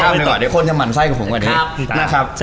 ข้ามไปก่อนเดี๋ยวคนจะหมั่นไส้กับผมกว่านี้ครับมาครับจ้ะ